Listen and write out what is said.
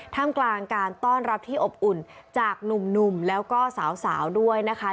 ทำกลางการต้อนรับที่อบอุ่นจากหนุ่มแล้วก็สาวด้วยนะคะ